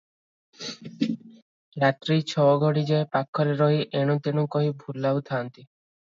ରାତ୍ରି ଛ ଘଡ଼ି ଯାଏ ପାଖରେ ରହି ଏଣୁ ତେଣୁ କହି ଭୁଲାଉଥାନ୍ତି;